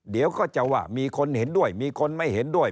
เดี๋ยวก็จะว่ามีคนเห็นด้วยมีคนไม่เห็นด้วย